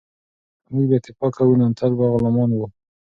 که موږ بې اتفاقه وو نو تل به غلامان وو.